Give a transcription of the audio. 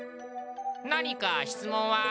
何か質問は？